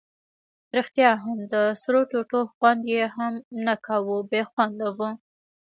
ریښتیا هم د سرو توتو خوند یې هم نه کاوه، بې خونده وو.